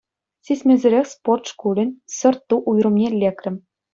Сисмесӗрех спорт шкулӗн сӑрт-ту уйрӑмне лекрӗм.